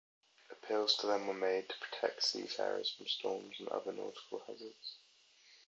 Appeals to them were made to protect seafarers from storms and other nautical hazards.